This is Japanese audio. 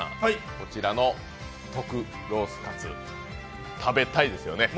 こちらの特ロースかつ、食べたいですよね？